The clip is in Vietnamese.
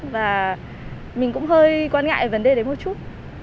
và mình cũng hơi quan ngại về vấn đề đấy một chút